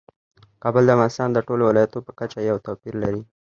کابل د افغانستان د ټولو ولایاتو په کچه یو توپیر لري.